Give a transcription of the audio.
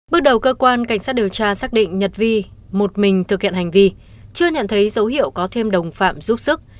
bước đầu cơ quan cảnh sát điều tra xác định nhật vi một mình thực hiện hành vi chưa nhận thấy dấu hiệu có thêm đồng phạm giúp sức